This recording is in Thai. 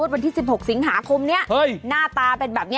วันที่๑๖สิงหาคมนี้หน้าตาเป็นแบบนี้